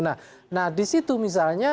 nah di situ misalnya